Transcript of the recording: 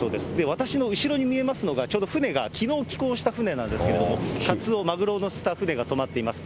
私の後ろに見えますのが、ちょうど船がきのう帰港した船なんですけれども、カツオ、マグロを載せた船がとまっています。